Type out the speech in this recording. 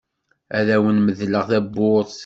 Ad awen-medleɣ tawwurt.